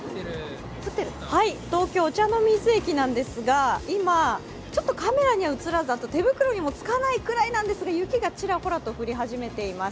東京・御茶ノ水駅なんですが今、ちょっとカメラには映らず、手袋にもつかないくらいなんですが雪がちらほらと降り始めています。